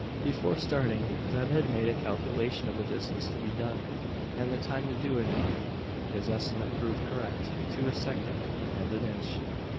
Before starting, Zeb had made a calculation of the distance to be done, and the time to do it in. His estimate proved correct to a second, and an inch.